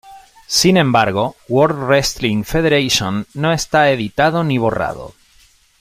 Sin embargo, "World Wrestling Federation" no está editado ni borrado.